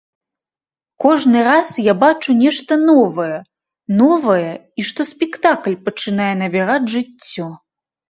Кожны раз я бачу нешта новае, новае і што спектакль пачынае набіраць жыццё.